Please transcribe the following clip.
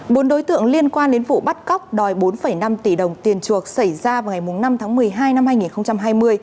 bốn đối tượng liên quan đến vụ bắt cóc đòi bốn năm tỷ đồng tiền chuộc xảy ra vào ngày năm tháng một mươi hai năm hai nghìn hai mươi